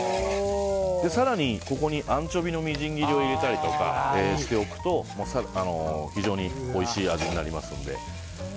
更にここにアンチョビのみじん切りを入れたりしておくと非常においしい味になりますので。